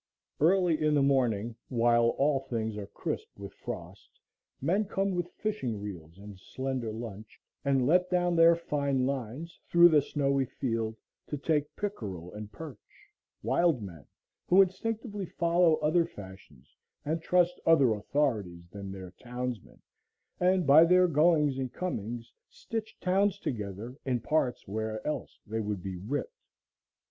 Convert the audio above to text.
Early in the morning, while all things are crisp with frost, men come with fishing reels and slender lunch, and let down their fine lines through the snowy field to take pickerel and perch; wild men, who instinctively follow other fashions and trust other authorities than their townsmen, and by their goings and comings stitch towns together in parts where else they would be ripped.